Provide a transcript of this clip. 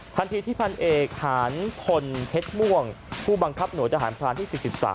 ทันทีที่พันเอกหานพลเพชรม่วงผู้บังคับหน่วยทหารพรานที่๔๓